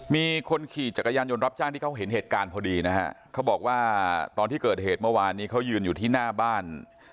มีคนขี่จักรยานยนต์รับจ้างที่เขาเห็นเหตุการณ์พอดีนะฮะเขาบอกว่าตอนที่เกิดเหตุเมื่อวานนี้เขายืนอยู่ที่หน้าบ้าน